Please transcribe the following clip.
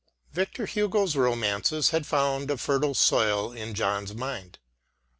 Victor Hugo's romances had found a fertile soil in John's mind.